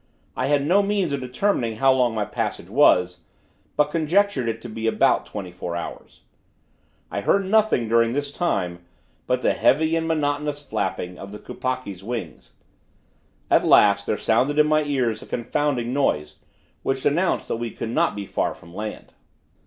I had no means of determining how long my passage was, but conjectured it to be about twenty four hours. I heard nothing, during this time, but the heavy and monotonous flapping of the kupakki's wings. At last, there sounded in my ears a confounding noise, which announced that we could not be far from land.